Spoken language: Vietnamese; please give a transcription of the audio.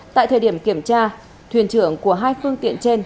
tại thời điểm kiểm tra thuyền trưởng của hai phương tiện trên